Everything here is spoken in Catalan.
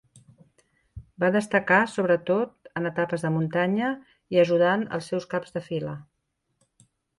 Va destacar, sobretot, en etapes de muntanya, i ajudant els seus caps de fila.